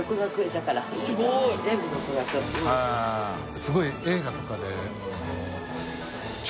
すごい映画とかで舛腓